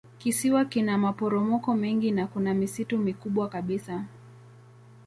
Kisiwa kina maporomoko mengi na kuna misitu mikubwa kabisa.